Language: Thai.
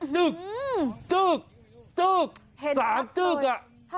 จึกจึกจึกสามจึกอ่ะ